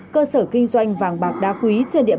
cơ sở kinh doanh vàng bạc đa quý trên địa bàn